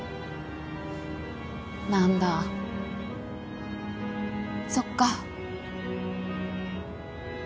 何だそっか。